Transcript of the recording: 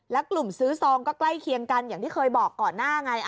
แล้วกลุ่มซื้อซองก็ใกล้เคียงกันอย่างที่เคยบอกก่อนหน้าไง